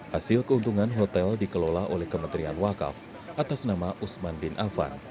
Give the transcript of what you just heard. hasil keuntungan hotel dikelola oleh kementerian wakaf atas nama usman bin afan